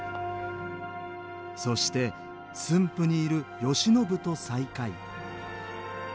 そして駿府にいる慶喜と再会。